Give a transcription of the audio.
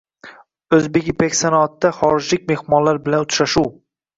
\O‘zbekipaksanoat\"da xorijlik mehmonlar bilan uchrashuvng"